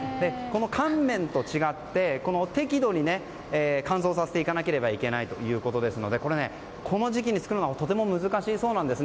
乾麺と違って、適度に乾燥させていかなければいけないということでこの時期に作るのはとても難しいそうです。